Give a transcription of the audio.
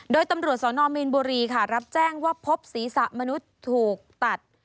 โดยตำรวจสนมีนบุรีค่ะรับแจ้งว่าพบศีรษะมนุษย์ถูกตัด